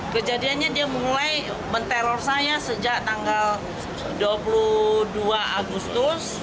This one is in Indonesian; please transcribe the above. kejadiannya dia mulai menteror saya sejak tanggal dua puluh dua agustus